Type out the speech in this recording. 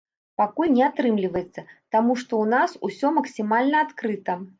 Пакуль не атрымліваецца, таму што ў нас усё максімальна адкрыта.